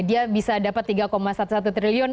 dia bisa dapat tiga sebelas triliun